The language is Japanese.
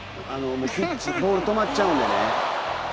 ボールが止まっちゃうんでね